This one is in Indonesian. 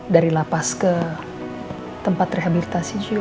dari lapas ke tempat rehabilitasi juga